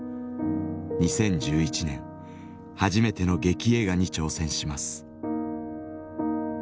２０１１年初めての劇映画に挑戦します。